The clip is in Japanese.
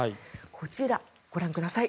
こちら、ご覧ください。